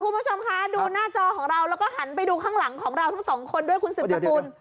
คุณผู้ชมคะดูหน้าจอของเราแล้วก็หันไปดูข้างหลังของเราทั้งสองคนด้วยคุณสืบสกุล